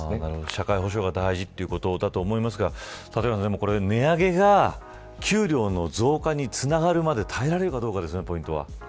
社会保障が大事ということだと思いますが、立岩さん、値上げが給料の増加につながるまで耐えられるかどうかですよね。